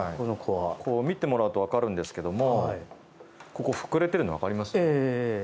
見てもらうとわかるんですけどここ、膨れているのわかります？